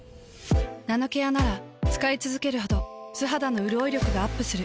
ナノケアなら使いつづけるほど素肌のうるおい力がアップする。